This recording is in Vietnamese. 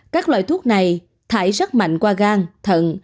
các loại thuốc này thải rất mạnh qua gan thận